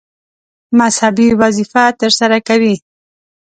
مذهبي وظیفه ترسره کوي.